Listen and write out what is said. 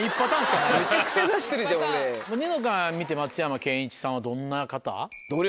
ニノから見て松山ケンイチさんはどんな方？